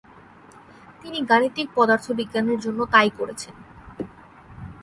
তিনি গাণিতিক পদার্থবিজ্ঞানের জন্য তাই করেছেন।